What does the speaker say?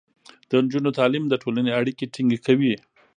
د نجونو تعليم د ټولنې اړيکې ټينګې کوي.